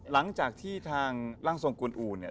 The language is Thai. หลังจากที่ทางร่างทรงกวนอูเนี่ย